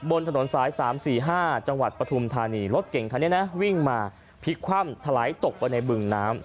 บนถนนสาย๓๔๕จังหวัดปฐุมธานีรถเก่งคันนี้นะวิ่งมาพลิกคว่ำถลายตกไปในบึงน้ำ